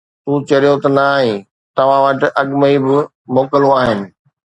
تون چريو ته نه آهين؟ توهان وٽ اڳ ۾ ئي ٻه موڪلون آهن.